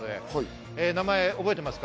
名前、覚えてますか？